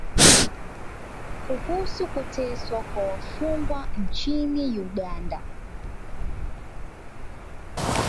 kuhusu kuteswa kwa wafungwa nchini Uganda